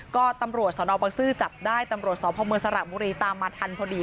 ก็ตำรวจสนบังซื้อจับได้ตำรวจสพเมืองสระบุรีตามมาทันพอดี